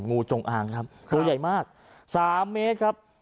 งูจงอางครับตัวใหญ่มาก๓เมตรครับ